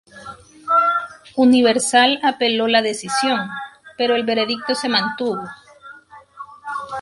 Universal apeló la decisión, pero el veredicto se mantuvo.